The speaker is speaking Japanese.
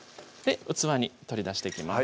器に取り出していきます